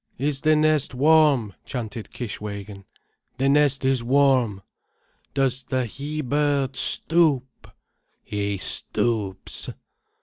"Is the nest warm?" chanted Kishwégin. "The nest is warm." "Does the he bird stoop—?" "He stoops."